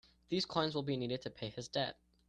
These coins will be needed to pay his debt.